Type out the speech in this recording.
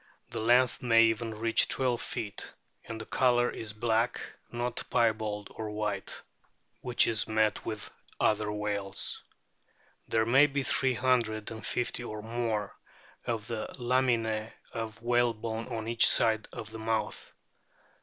The length may even reach 12 feet, and the colour is black, not piebald or white, K i 3 o A BOOK OF WHALES which is met with in other whales. There may be three hundred and fifty or more of the laminae of whalebone on each side of the mouth.